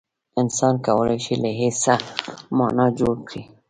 انسان کولای شي له هېڅه مانا جوړ کړي.